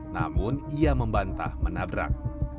namun ia membantah menabrak